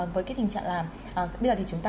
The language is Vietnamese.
với cái tình trạng là bây giờ thì chúng ta